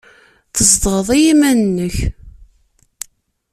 Tzedɣeḍ i yiman-nnek?